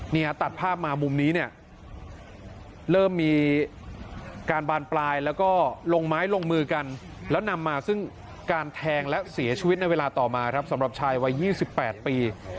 ตัดภาพมามุมนี้เนี่ยเริ่มมีการบานปลายแล้วก็ลงไม้ลงมือกันแล้วนำมาซึ่งการแทงและเสียชีวิตในเวลาต่อมาครับสำหรับชายวัย๒๘ปี